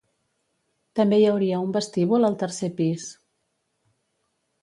També hi hauria un vestíbul al tercer pis.